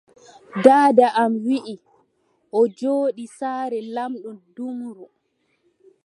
Daada am wii o jooɗi saare lamɗo Dumru,